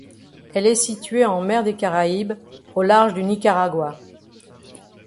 Elle est située en mer des Caraïbes au large du Nicaragua.